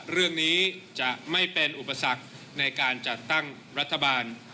เรื่องนี้จะไม่เป็นอุปสรรคในการจัดตั้งรัฐบาล